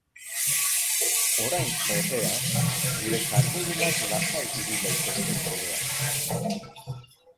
Orain, ordea, gure kargudunak lasai ibil daitezke kalean.